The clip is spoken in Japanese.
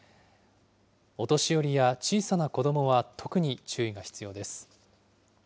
お年寄りや小さな子どもは特に注意が必要です。